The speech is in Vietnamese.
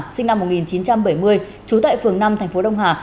sinh năm một nghìn chín trăm bảy mươi trú tại phường năm tp đông hà